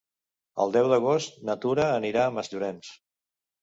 El deu d'agost na Tura anirà a Masllorenç.